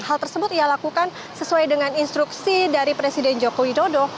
hal tersebut ia lakukan sesuai dengan instruksi dari presiden joko widodo